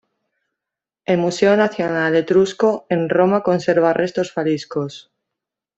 El Museo Nacional Etrusco, en Roma, conserva restos faliscos.